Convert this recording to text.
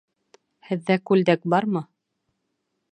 Һеҙҙә күлдәк бармы?